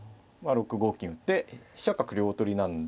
６五金打って飛車角両取りなんで。